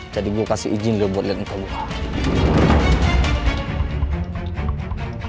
jadi gue kasih izin lu buat liat muka gue